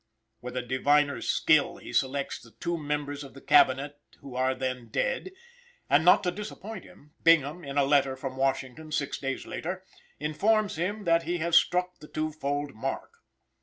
With a diviner's skill he selects the two members of the Cabinet who are then dead; and, not to disappoint him, Bingham, in a letter from Washington six days later, informs him that he has struck the two fold mark.